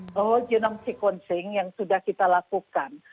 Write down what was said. whole genome sequencing yang sudah kita lakukan